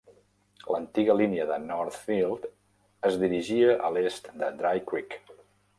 L'antiga línia de Northfield es dirigia a l'est de Dry Creek.